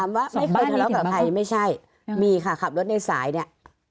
ว่าไม่เคยทะเลาะกับใครไม่ใช่มีค่ะขับรถในสายเนี่ย